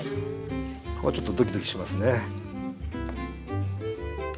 ここはちょっとドキドキしますね。